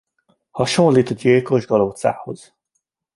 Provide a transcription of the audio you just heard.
Hasonlít a gyilkos galócához.